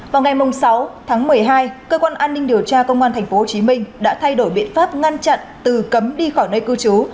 vào ngày sáu tháng một mươi hai cơ quan an ninh điều tra công an tp hcm đã thay đổi biện pháp ngăn chặn từ cấm đi khỏi nơi cư trú